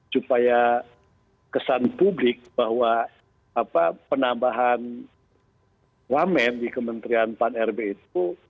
supaya kesan publik bahwa penambahan wamen di kementerian pan rb itu